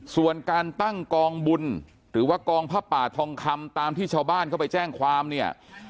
ส่วนการตั้งกองบุญหรือว่ากองผ้าป่าทองคำตามที่ชาวบ้านเข้าไปแจ้งความเนี่ย